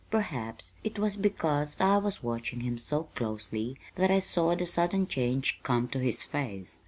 Perhaps it was because I was watching him so closely that I saw the sudden change come to his face.